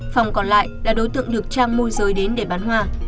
phòng còn lại là đối tượng được trang môi giới đến để bán hoa